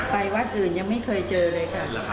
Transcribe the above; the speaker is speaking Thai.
วัดอื่นยังไม่เคยเจอเลยค่ะ